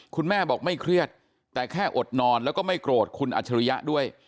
คุณแม่บอกไม่เครียดแต่แค่อดนอนแล้วก็ไม่โกรธคุณอัจฉริยะด้วย